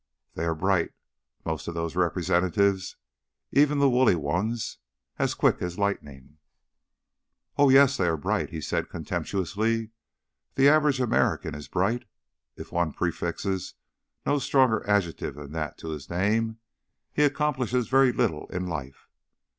"They are bright, most of those Representatives even the woolly ones; as quick as lightning." "Oh, yes, they are bright," he said contemptuously. "The average American is bright. If one prefixes no stronger adjective than that to his name, he accomplishes very little in life.